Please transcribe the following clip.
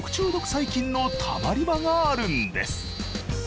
細菌のたまり場があるんです。